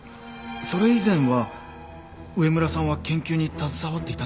それ以前は上村さんは研究に携わっていたんですね？